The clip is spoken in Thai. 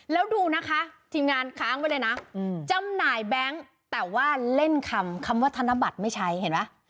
แล้วดูนะคะทีมงานค้างไว้เลยนะจำหน่ายแบงค์แต่ว่าเล่นคำคำว่าธนบัตรไม่ใช้เห็นไหม